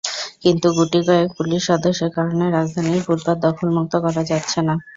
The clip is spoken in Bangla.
কিন্তু গুটিকয়েক পুলিশ সদস্যের কারণে রাজধানীর ফুটপাত দখল মুক্ত করা যাচ্ছে না।